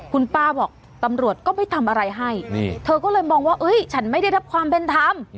คุณป้าบอกตำรวจก็ไม่ทำอะไรให้เธอก็เลยมองว่าฉันไม่ได้รับความเป็นธรรม